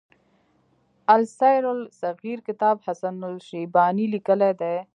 السير الصغير کتاب حسن الشيباني ليکی دی.